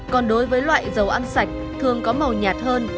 còn đối với loại dầu ăn sạch thường có màu nhạt hơn